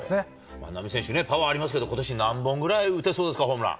万波選手ね、パワーありますけど、ことし何本ぐらい打てそうですか、ホームラン。